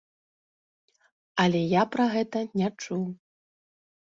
Але я пра гэта не чуў.